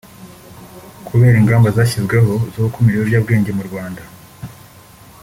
Kubera ingamba zashyizweho zo gukumira ibiyobyabwenge mu Rwanda